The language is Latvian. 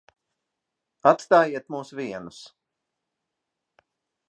Atstājiet mūs vienus.